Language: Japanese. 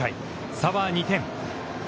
差は２点。